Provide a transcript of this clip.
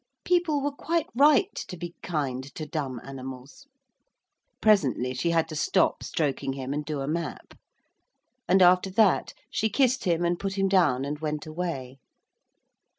People were quite right to be kind to dumb animals. Presently she had to stop stroking him and do a map. And after that she kissed him and put him down and went away.